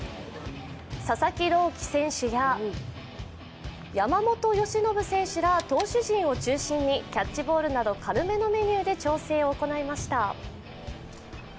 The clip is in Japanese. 佐々木朗希選手や山本由伸選手ら投手陣を中心にキャッチボールなど軽めのメニューで調整を行いました。